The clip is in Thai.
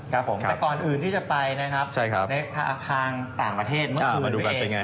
ครับผมแต่ก่อนอื่นที่จะไปนะครับใช่ครับในทางต่างประเทศเมื่อคืนมาดูกันเป็นไงฮะ